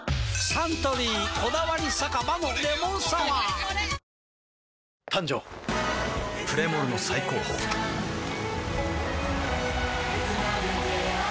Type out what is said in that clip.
サントリー「こだわり酒場のレモンサワー」誕生プレモルの最高峰プシュッ！